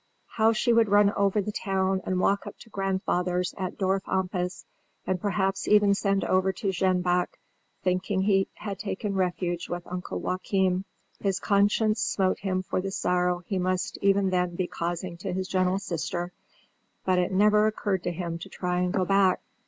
How she would run over the town and walk up to grandfather's at Dorf Ampas, and perhaps even send over to Jenbach, thinking he had taken refuge with Uncle Joachim! His conscience smote him for the sorrow he must be even then causing to his gentle sister; but it never occurred to him to try and go back.